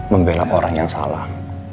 membela orang yang salah